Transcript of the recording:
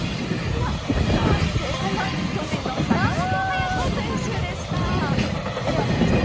正解は巨人の坂本勇人選手でした。